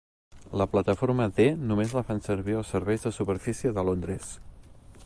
La plataforma D només la fan servir els serveis de superfície de Londres.